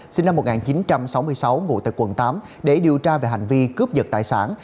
sinh năm một nghìn chín trăm sáu mươi sáu ngủ tại quận tám để điều tra về hành vi cướp giật tài sản